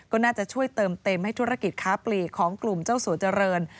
ก็น่าจะช่วยเติมเต็มให้ธุรกิจค้าปลีกของกลุ่มเจ้าสัวเจริญ